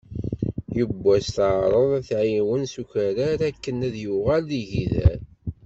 Yiwwas teεreḍ ad t-tεiwen s ukerrer akken ad yuɣal d igider.